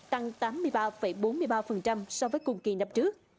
tăng tám mươi ba bốn mươi ba so với cùng kỳ năm trước